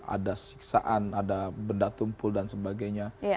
ada siksaan ada benda tumpul dan sebagainya